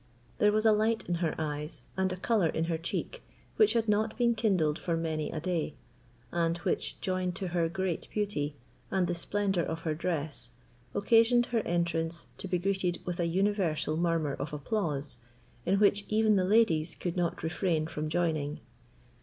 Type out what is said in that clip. There was a light in her eyes and a colour in her cheek which had not been kindled for many a day, and which, joined to her great beauty, and the splendour of her dress, occasioned her entrance to be greeted with an universal murmur of applause, in which even the ladies could not refrain from joining.